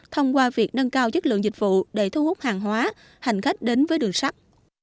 thông qua việc nâng cao chất lượng dịch vụ để thu hút hàng hóa hành khách đến với đường sắt